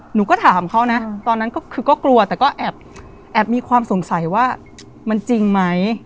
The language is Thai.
หนูก็ถามเขานะตอนนั้นก็คือก็กลัวแต่ก็แอบมีความสงสัยว่ามันจริงไหม